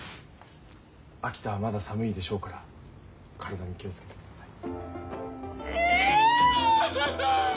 秋田はまだ寒いでしょうから体に気を付けてください。